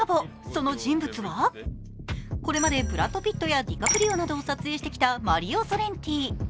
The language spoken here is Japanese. その人物はこれまでブラッド・ピットやディカプリオなどを撮影してきたマリオ・ソレンティ。